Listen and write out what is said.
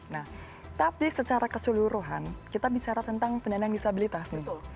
nah tapi secara keseluruhan kita bicara tentang penyandang disabilitas